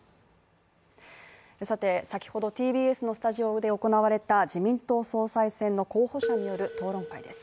さて先ほどＴＢＳのスタジオで行われた自民党総裁選の候補者による討論会です